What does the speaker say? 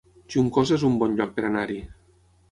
Juncosa es un bon lloc per anar-hi